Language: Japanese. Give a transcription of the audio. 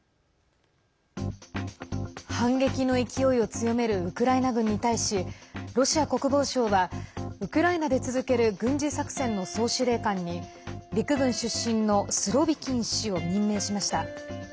反撃の勢いを強めるウクライナ軍に対しロシア国防省は、ウクライナで続ける軍事作戦の総司令官に陸軍出身のスロビキン氏を任命しました。